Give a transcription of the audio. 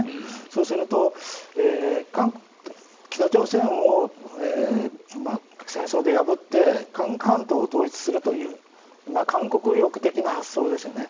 そうすると北朝鮮を戦争で破って韓半島を統一するという韓国右翼的な発想ですよね。